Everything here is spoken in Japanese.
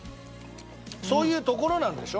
そういうところなんでしょ？